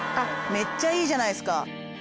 めっちゃいいじゃないですか。